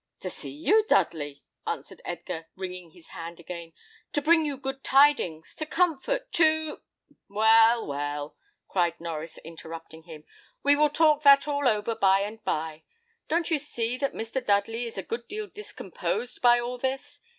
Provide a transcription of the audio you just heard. "To see you, Dudley," answered Edgar, wringing his hand again; "to bring you good tidings, to comfort, to " "Well, well," cried Norries, interrupting him, "we will talk that all over by and bye. Don't you see that Mr. Dudley is a good deal discomposed by all this?